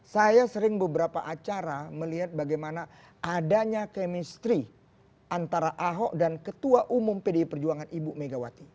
saya sering beberapa acara melihat bagaimana adanya kemistri antara ahok dan ketua umum pdi perjuangan ibu megawati